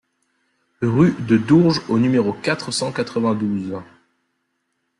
Rue de Dourges au numéro quatre cent quatre-vingt-douze